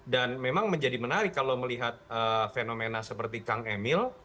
dan memang menjadi menarik kalau melihat fenomena seperti kang emil